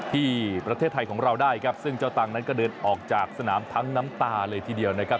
ที่ประเทศไทยของเราได้ครับซึ่งเจ้าตังค์นั้นก็เดินออกจากสนามทั้งน้ำตาเลยทีเดียวนะครับ